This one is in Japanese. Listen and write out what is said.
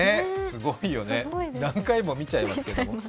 すごいよね、何回も見ちゃいますよ。